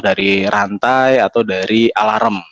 dari rantai atau dari alarm